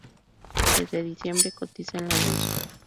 Desde diciembre cotiza en la bolsa.